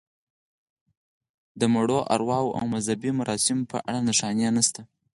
د مړو ارواوو او مذهبي مراسمو په اړه نښانې نشته.